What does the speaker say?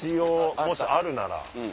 もしあるなら。